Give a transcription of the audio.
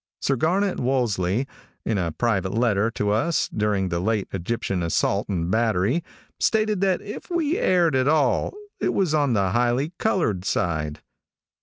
Sir Garnet Wolseley, in a private letter to us during the late Egyptian assault and battery, stated that if we erred at all it was on the highly colored side.